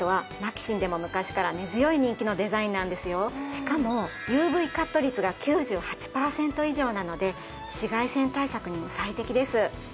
しかもＵＶカット率が９８パーセント以上なので紫外線対策にも最適です。